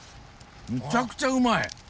むちゃくちゃうまい。